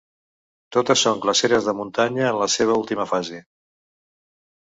Totes són glaceres de muntanya en la seva última fase.